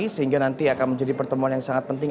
sehingga nanti akan menjadi pertemuan yang sangat penting